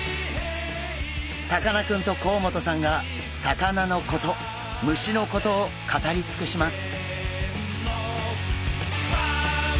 さかなクンと甲本さんが魚のこと虫のことを語り尽くします。